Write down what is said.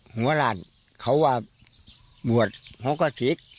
หัวร่านเขาบอกรวดเขาก็ติ๊ก